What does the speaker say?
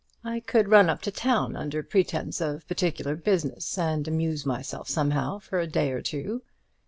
I could run up to town under pretence of particular business, and amuse myself somehow for a day or two.